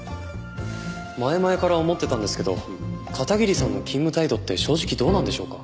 前々から思ってたんですけど片桐さんの勤務態度って正直どうなんでしょうか？